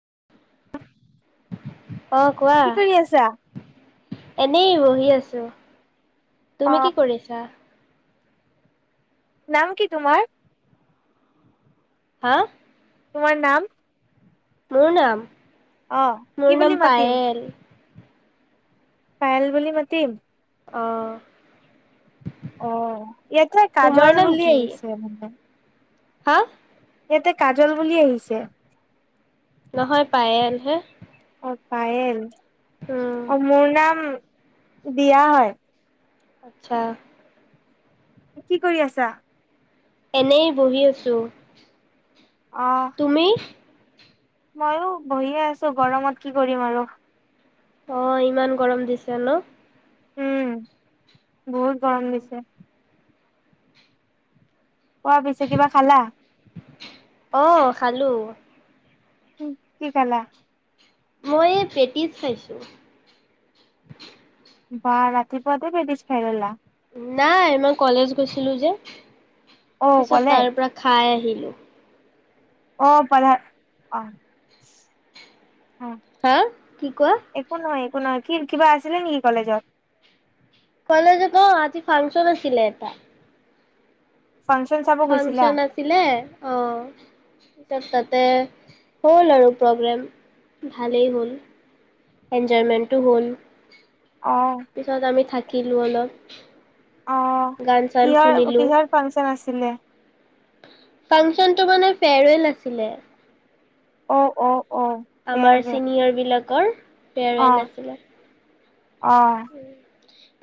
[inaudible] কি কৰি আছা। এনেই বহি আছো। তুমি অ'। কি কৰিছা। নাম কি তোমাৰ? হা তোমাৰ নাম। মোৰ নাম? অ'। কি মোৰ বুলি নাম মাতিম? পায়েল। পায়েল বুলি মাতিম? অঁ অ ইয়াতে কাজল নাম বুলি কি আহিছে মানে। হা? ইয়াতে কাজল বুলি আহিছে। নহয় পায়েল হে। অ' পায়েল। উম অ মোৰ নাম বিয়া হয়। আচ্ছা। কি কৰি আছা? এনেই বহি আছো। অ' তুমি? ময়ো বহিয়ে আছো গৰমত কি কৰিম আৰু। অ ইমান গৰম দিছে ন? উম, বহুত গৰম দিছে। কোৱা পিছে কিবা খালা? অ' খালো। কি খালা? মই পেটিজ খাইছো। বাাহ ৰাতিুৱদে ভে দিছ খাই লা [inaudible] নাই মই কলেজ গৈছিলো যে। অ' পিছত কলেজ? তাৰ পৰা খাই আহিলো। অ পদা অ [inaudible] হা কি কোৱা? একো নহয় কি কিবা আছিলে নেকি কলেজত? কলেজত অ আজি ফাংচন আছিলে এটা। ফাংচন চাব গৈছিলা ফাংচন আছিলে অ। ত তাতে হ'ল আৰু প্ৰগ্ৰেম ভালেই হ'ল এনজয়মেণ্টোটো হ'ল। অ পিছত আমি থা কিলোঁ অলপ। অ গান চান কিহৰ শুনিলো কিহৰ ফাংচন আছিলে? ফাংচনটো মানে ফেৰৱেল আছিলে। অ অ। অ আমাৰ ফেয়াৰৱেল চিনিয়ৰ বিলাক কৰ অ ফেৱাৰৱেল আছিলে। অ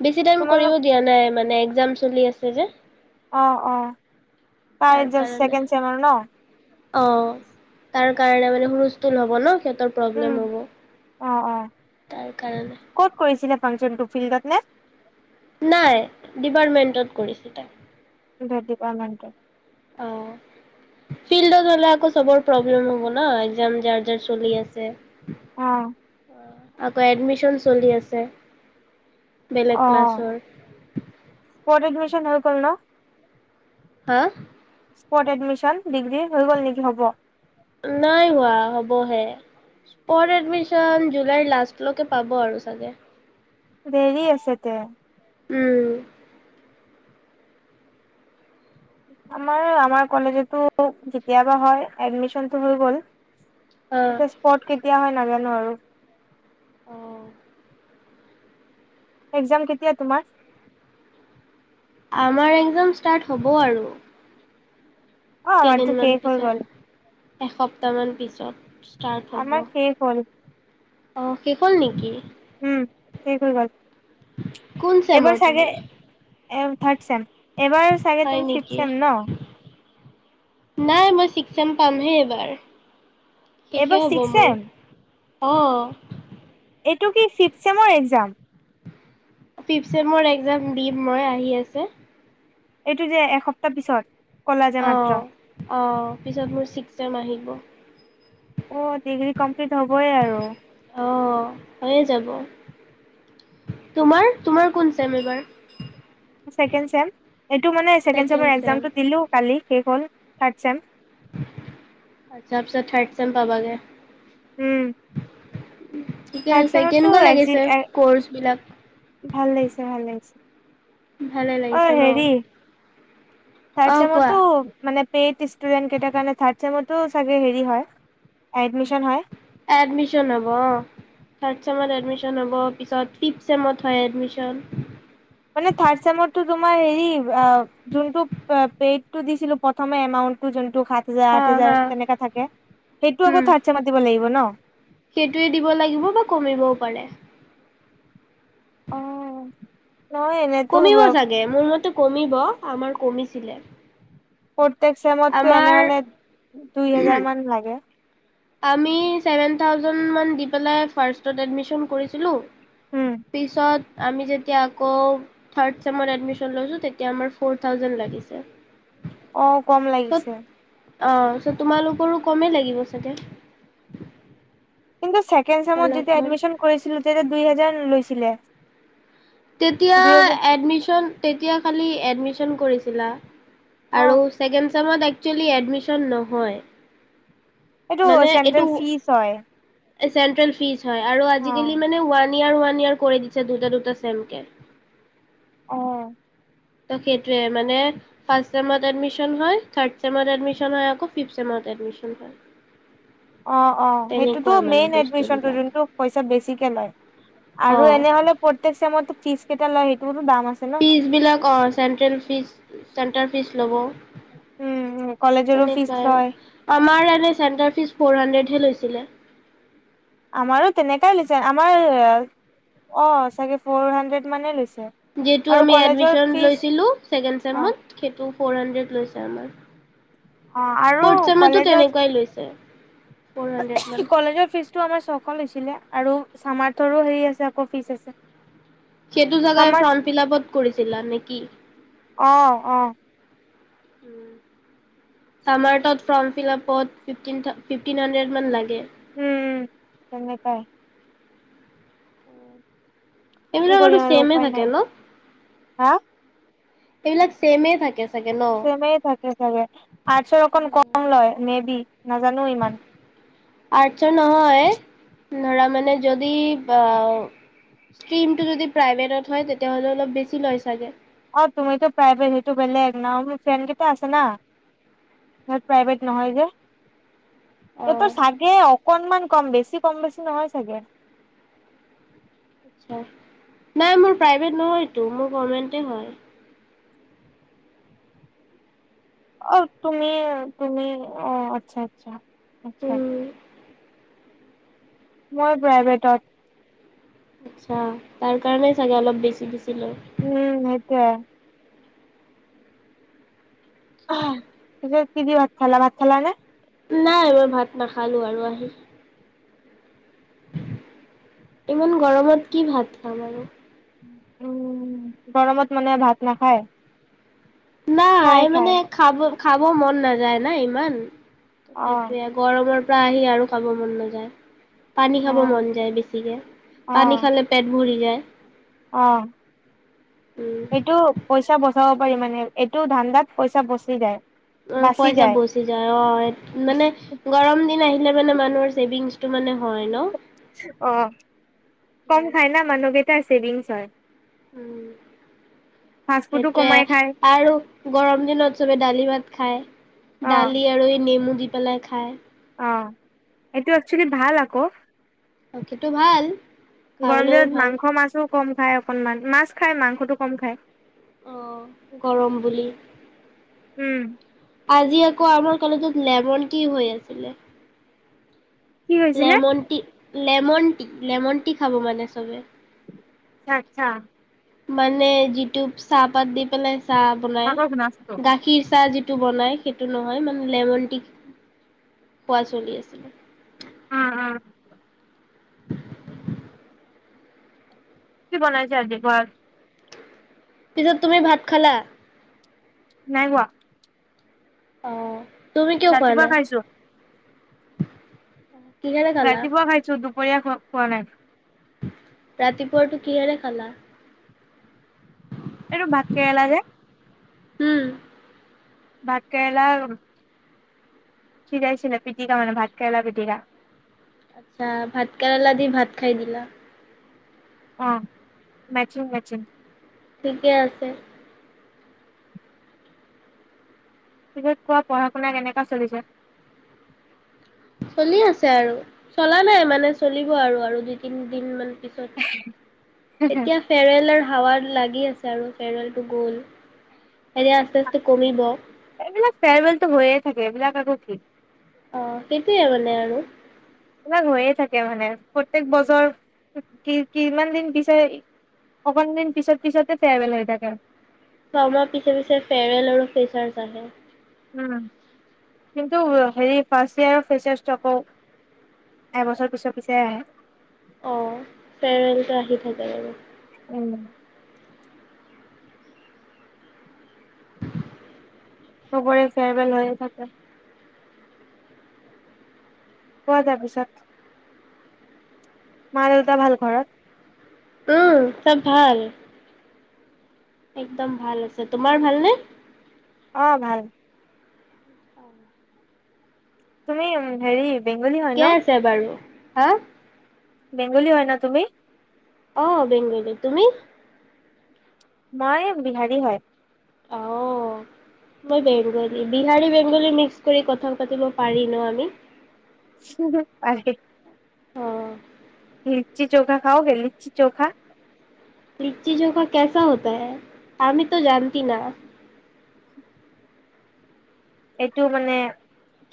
বেছি টাইম তোমালোক কৰিব দিয়া নাই মানে, এক্সাম চলি আছে যে। অ অ তাৰ কাৰ কাৰণে ছেকেণ্ড চেমৰ ন অ তাৰ কাৰণে মানে হুলস্থুল হব ন। সিহঁতৰ উম প্ৰব্লেম হ'ব অ অ তাৰ কাৰণে। ক'ত কৰিছিলে ফাংচনটো ফিলডত নে? নাই ডিপাৰ্টমেন্টত কৰিছিলে। ডিপাৰ্টমেণ্ট। অ ফিলডতলে আকৌ প্ৰব্লেম হব ন এক যাৰ যাৰ চলি আছে। অ আকৈ এডমিছন চলি আছে। বেলেগ ক্লাছৰ। অহ এডমিছন হৈ গল ন। হা স্পত এডমিশন ডিগ্ৰী হৈ গ'ল নেকি হ'ব? নাই হোৱা হ'বহে স্পট এডমিচন জুলাইৰ লাষ্টলৈকে পাব আৰু চাগে দেৰি আছে তে উম। আমাৰ আমাৰ কলেজটো কেতিয়াবা হয় এডমিচনতটো হৈ গ'ল। অ' এতিয়া স্পৰ্ট কেতিয়া হয় নাজানো আৰু। আহ। এক্সাম কেতিয়া তোমাৰ? আমাৰ এক্সাম ষ্টাৰ্ট হ'ব আৰু। অ আমাৰতো শেষ হৈ গল। এসপ্তাহ মান পিছত। ষ্টাৰ্ট হ'ব। আমাৰ শেষ হল। অ', শেষ হ'ল নেকি? উম, শেষ হৈ গ'ল। কোন এবাৰ চেমৰ চাগে তুমি? [unintelligible] ছেম, এবাৰ চাগে হয় তুমি নেকি? ফিফছেম ন? নাই মই ছিক্সছেম পামহে এইবাৰ। শেষে এইবাৰ হ'ব মোৰ। ছিক্সছেম? অ'। এইটো কি ফিফথ চেমৰ এক্সাম? ফিফচেমৰ একজাম দিম মই, আহি আছে। এইটো যে, এসপ্তাহ পিছত? কলা যে মাত্ৰ অ', অ', পিছত মোৰ ছিক্সছেম আহিব। অ', ডিগ্ৰী কমপ্লিট হ'বই আৰু। অ', হৈয়ে যাব। তোমাৰ, তোমাৰ কোন চেম এইবাৰ? ছেকেণ্ড চেম, এইটো মানে ছেকেণ্ড চেমৰ একজামটো দিলোঁ কালি। শেষ হ'ল, থাৰ্ড চেম আতচ্ছা, [unintelligible] থাৰড ছেম পাবাগে। উম। ঠিকে থাৰ্ড আছে, চেমৰতো কেনেকুৱা একজি লাগিছে কৰ্চ বিলাক? ভাল লাগিছে, ভাল লাগিছে। ভালে অ লাগিছে ন? হেৰি থাৰ্ড অ', কোৱা চেমটো মানে পেইত ইষ্টুডেটাৰ কাৰণে থাৰ্ডচেমৰ ত' চাগে হেৰি হয়, এডমিচন হয়। এডমিচন হ'ব অ', থাৰ্ড চেমত এদমিছন হ'ব, ফিফ চেমত হয়, এডমিছন। মানে থাৰ্ড চেমৰটো তোমাৰ হেৰি আ, যোনটো পে-পেইডটো দিছিলোঁ প্ৰথমে এমাউণ্টো যোন টো, সাত হাজাৰ, হা আঠ হা হাজাৰ তেনেকা থাকে সেইটো উম আকৌ থাৰ্ড ছেমট মাতিব লাগিব ন? সেইটোৱে দিব লাগিব বা কমিবও পাৰে। অ'। কমিব চাগে, মোৰ মতে কমিব, আমাৰ কমিছিলে। প্ৰতেক চেমতটো আমাৰ এনেহলে দুই হাজাৰ মান লাগে। আমি চেভেন ঠাওজেন মান দি পেলাই ফাৰ্ষ্টত এদমিছন কৰিছিলো। উম পিছত আমি যেতিয়া আকৌ থাৰ্ড চেমত এদমিছন লৈছো, তেতিয়া আমাৰ ফ'ৰ ঠাওজেন লাগিছে। অ', কম লাগিছে। অ', চ' তোমালোকৰো কমেই লাগিব [unintelligible] কিন্তু চেক চেকেণ্ড চেমত যেতিয়া অলপমান এডমিশন কৰিছিলো তেতিয়া দুই হেজাৰ লৈছিলে। তেতিয়া দুই হেজাৰ এডমিশন তেতিয়া খালী এডমিশন কৰিছিলা। অ আৰু চেকেণ্ড চেমত একচুৱেলি এডমিশন নহয় এইটো চেন্ট্ৰেল ফিজ হয়। চেট্ৰেল ফিচ হয় আৰু আজি অ কালি মানে ওৱান ইয়াৰ ওৱান ইয়াৰ কৰি দিছে দুটা দুটা চেমকে [inaudible] অ [unintelligible] অ অ সেইটোতো তেনেকুৱা মানে মেইন এডমিচোনটো বস্তুবিলাক যোনটো পইচা বেছিকে লয় অ'। আৰু এনেহলে প্ৰত চেমত ফি সেইটো, ফিজ বিলাক অ চেন্ট্ৰেল ফিজ, চেণ্টাৰ ফিচ ল'ব, উম, কলেজৰো তোয় ফিজ লয় আমাৰ এনে চেটাৰ ফিচ উঠে লৈছিলে [inaudible] আমাৰো তেনেকাই লৈছে আমাৰ অ চাগে ফৰ হাড্ৰেড মানে লৈছে। [unintelligible] আৰু ফ'ৰ কলেজৰ হাণ্ড্ৰেড ফিজ অ', লৈছে আমাৰ, অ আৰু ফ'ৰ্থ চেমতো কলেজত তেনেকুৱাই লৈছে ফ'ৰ হাণ্ড্ৰেড মান। কলেজৰ ফিজতটো আমাৰ ছখন হৈছিলে আৰু চামাৰ্থৰো হেৰি আছে আকৌ ফিচ আছে [inaudible] সেইটো জোগাই চামাৰ্থ ফৰ্ম ফিল লাপত কৰিছিলা নেকি অহ অ' চামাটোত ফৰম ফিলা ফট ফিটিন হাড্ৰেড মান লাগে। উম তেনে তা কি এইবিলাক আৰু কৰিম চেমে উপায় থাকে নাই ন হা? [inaudible] এইবিলাক চেছেমে থাকে চাগে ন? চেমে থাকে চাগে আছোৰ অকণ কম খং লয় মে বি নাজানো ইমান আৰছোট নহয় ধৰা মানে যদিষ্ট বা ইচটিমটো প্ৰাইভেট তেতিয়া হলে অল বেছি লাগে। অ তুমো প্ৰাইভেট সেইটো বেলেগ ন ফ্ৰেণ্ কেইটা আছে না ই প্ৰাইভেট নহয় যে [inaudible] অ' ততোৰ চাগে অকনমান কম বেছি কম বেছি নহয় চাগে [inaudible] নাই মোৰ প্ৰাইভেট নহয়তটো মোৰ গমেন্ট হয় [inaudible] অ তুমি তুমি অ আচ্ছা আচ্ছা। আচ্ছা। উম। মই প্ৰাইভেটত আচ্ছা তাৰ কাৰণে চাগে অলপ বেছি দিছিলো। উম সেইতোয়ে। কি দি ভাত খালা ভাত খালা নে? নাই মই ভাত নাখালো আৰু আহি। ইমান গৰমত কি ভাত খাম আৰু। উম গৰমত মানে ভাত নাখায়। নাই খাই খাই মানে খাব খাব মন নাযায় না ইমান অ সেইটোৱে গৰমৰ পৰা আহি আৰু খাব মন নাযায় পানী অ খাব মন যায় বেছিকে অ পানী খালে পেট ভৰি যায় অ উম সেইটো পইচা বচ চাব পাৰি মানে এইটো ধান্দাত পইচা বচি যায় অ বাচি পইচা যায় বচি যায় অ মানে গৰম দিন আহিলে মানে মানুহৰ ছেভিংছ টো মানে হয় ন অ কম খাই না মানুহ [unintelligible] ছেভিংছ হয় উম ফাষ্ট ফুডো কমাই খায় সেইটোৱে আৰু গৰম দিনত চবে দালি ভাত খায় অ দালি আৰু এই নেমু দি পেলাই খায় অ এইটো একচুৱেলি ভাল আকৌ তাকেটো ভাল গৰম খাবলৈও দিনত ভাল মাংস মাছো কম খাই অকনমান মাছ খাই, মাংসটো কম খায়। অ' গৰম বুলি। উম। আজি আকৌ আমাৰ কলেজত লেমন কি হৈ আছিলে। কি হৈছিলে লেমন টিৰ লেমন টি, লেমন টি খাব মানে চবে আচ্ছা, আচ্ছা। মানে যিটো চাহপাত দি পেলাই চাহ বনাই শাকৰ নাচটো গাখীৰ চাহ যিটো টো বনাই সেইটো নহয় মানে লেমন টি খোৱা চলি আছিলে। উম। [unintelligible] কি বনাইছে আজিৰ ঘৰত? পিছত তুমি ভাত খালা? নাই খোৱা অ'। তুমি কিয় খোৱা ৰাতিপুৱা নাই? খাইছো কিহেৰে খালা? ৰাতিপোৱা খাইছো, দু [unintelligible] খো-খোৱা নাই। ৰাতিপুৱাৰটো কিহেৰে খালা? এইটো ভাতকেৰেলা যে উম। ভাতকেৰেলা [unintelligible] পিটিকা মানে ভাত [unintelligible] পিটিকা আচ্ছা, ভাত কেৰেলা দি ভাত খাই দিলা। অ' মেটচিং মেটচিং। ঠিকে আছে। পিছে কোৱা, পঢ়া শুনা কেনেকুৱা চলিছে? চলি আছে আৰু চলা নাই মানে, চলিব আৰু, আৰু দুই তিনি দিন মান। পিছত, এতিয়া ফেয়াৰবেলৰ হাৱা লাগে [unintelligible] আছে আৰু ফেৰৱেলটো গ'ল। এনে আস্তে আস্তে কমিব। এইবিলাক ফেয়াৰৱেলটো হৈয়ে থাকে এইবিলাক আকৌ কি? অ' সেইটোৱে মানে আৰু। কিবা হৈয়ে থাকে মানে। প্ৰত্যেক বছৰ কি কিমান দিন পিছে, কিমান দিন পিছে পিছে ফেয়াৰবেল হৈ থাকে। ছমাহ পিছে পিছে ফেয়াৰবেল আৰু ফেচাছ আহে। উ কিন্তু হেৰি ফ্ৰাষ্ট ইয়াৰ ফ্ৰেচাছ আকৌ, এবছৰ পিছে, পিছে আহে। অ' ফেৰৱেলটো আহি থাকে আৰু। উম। [inaudible] চবৰে ফেয়াৰবেল হৈ থাকে। কোৱা তাৰপিছত। মা- দেউতা ভাল ঘৰত? উম, চব ভাল। একদম ভাল আছে, তোমাৰ ভালনে? অ', ভাল। তুমি হেৰি বেংগলী হয় ন ঠিকে আছে বাৰু। হা? বেংগলী হয় ন তুমি? অ', বেংগলী, তুমি? মই বিহাৰী হয়। অ', মই বেংগলী, বিহাৰী বেংগলী মিক্স কৰি কথা পাতিব পাৰি ন আমি। পাৰি। অ'। লিচি চৌখা খাওগে, লিচি চৌখা। লিচি চৌখা কেচা হতা হে, আমিটো জানতি না। এইটো মানে এ,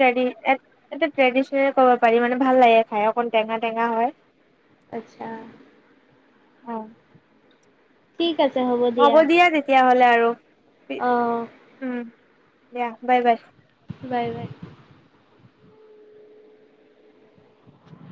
ট্ৰেডিশনেল কব পাৰি মানে, ভাল লাগে খাই, অকন টেঙা টেঙা হয়। আচ্ছা। ঠিক হ'ব দিয়া তেতিয়াহ'লে আৰু। অঁ উম। দিয়া, বাই বাই। Bye bye.